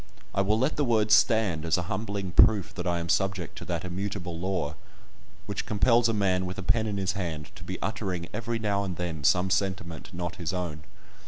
I will let the words stand, as a humbling proof that I am subject to that immutable law which compels a man with a pen in his hand to be uttering every now and then some sentiment not his own.